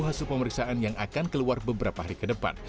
hasil pemeriksaan yang akan keluar beberapa hari ke depan